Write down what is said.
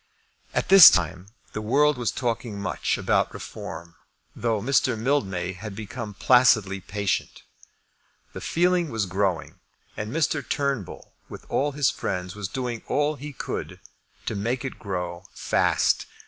At this time the world was talking much about Reform, though Mr. Mildmay had become placidly patient. The feeling was growing, and Mr. Turnbull, with his friends, was doing all he could to make it grow fast.